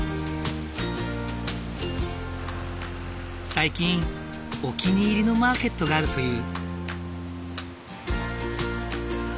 最近お気に入りのマーケットがあるという。